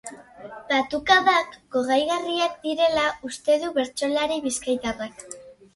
Batukadak gogaigarriak direla uste du bertsolari bizkaitarrak.